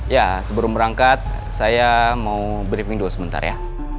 ya sebelum berangkat saya mau briefing dulu sebentar ya